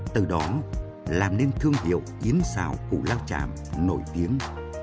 từ đó làm nên thương hiệu yến xào củ lao chạm nổi tiếng